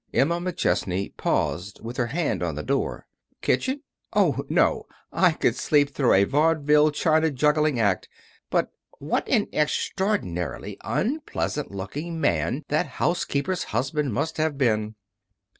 Emma McChesney paused with her hand on the door. "Kitchen? Oh, no. I could sleep through a vaudeville china juggling act. But what an extraordinarily unpleasant looking man that housekeeper's husband must have been."